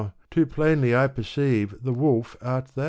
Too plainly I perceive the wolf art thou."